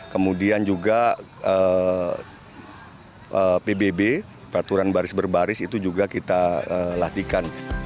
kemudian juga pbb peraturan baris berbaris itu juga kita latihkan